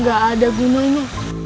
gak ada gue mau